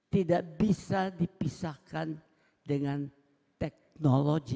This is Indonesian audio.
tidak bisa dipisahkan dengan teknologi